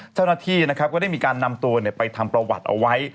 เช่นนาทีได้มีการนำตัวไปทำประวัติเอาไว้